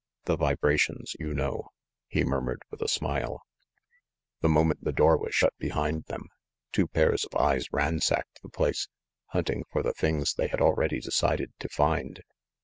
The vibrations, you know," he murmured, with a smile. The moment the door was shut behind them, two pairs of eyes ransacked the place, hunting for the things they had already decided to find.